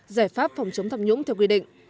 giải pháp phòng chống tham nhũng theo quy định